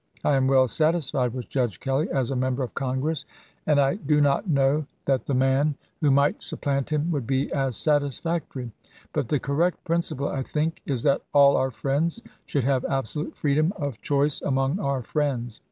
I am well satisfied with Judge Kelley as a Member of Congress, and I do not know that the man LINCOLN KEELECTED 363 who might supplant him would be as satisfactory ; but chap. xvi. the correct principle, I think, is that all our friends should have absolute freedom of choice among our friends.